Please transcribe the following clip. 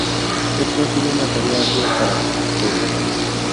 Esto ha sido una tarea ardua para ustedes.